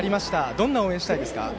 どんな応援をしたいですか。